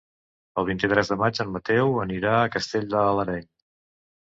El vint-i-tres de maig en Mateu anirà a Castell de l'Areny.